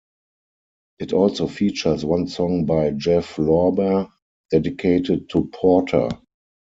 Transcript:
It also features one song by Jeff Lorber dedicated to Porter.